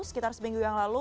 sekitar seminggu yang lalu